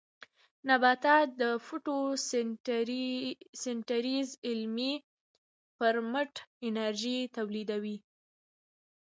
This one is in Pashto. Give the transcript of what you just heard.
نباتات د فوټوسنټیز عملیې پر مټ انرژي تولیدوي